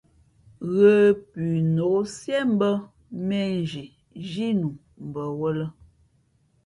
Ghə pʉnok siē mbᾱ mēnzhi zhínu bαwᾱlᾱ.